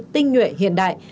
tinh nguyện hiện đại